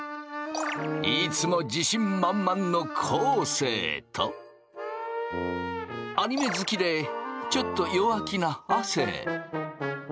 いつも自信満々の昴生とアニメ好きでちょっと弱気な亜生。